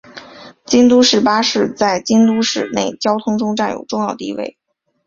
京都市巴士在京都市内交通中占有重要位置。